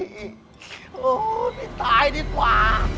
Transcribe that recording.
โหพี่ตายดีกว่า